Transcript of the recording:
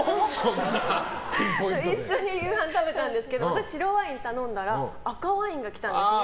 一緒に夕飯食べたんですけど白ワイン頼んだら赤ワインが来たんですね。